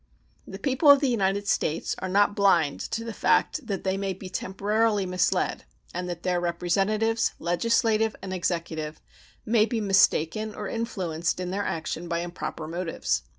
The people of the United States are not blind to the fact that they may be temporarily misled, and that their representatives, legislative and executive, may be mistaken or influenced in their action by improper motives.